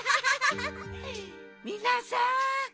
みなさん